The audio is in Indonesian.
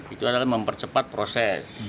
itu adalah mempercepat proses